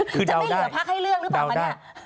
คือจะไม่เหลือพักให้เลือกหรือเปล่าคะเนี่ย